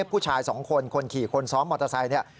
ผู้ชายสองคนคนขี่คนซ้อนมอเตอร์ไซค์เนี่ย